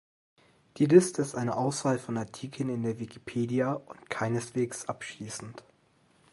Die Liste ist eine Auswahl von Artikeln in der Wikipedia und keineswegs abschließend.